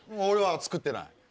俺は作ってない。